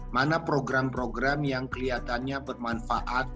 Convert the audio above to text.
mana program program yang kelihatannya bermanfaat